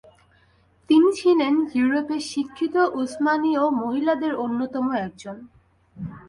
তিনি ছিলেন ইউরোপে শিক্ষিত উসমানীয় মহিলাদের অন্যতম একজন।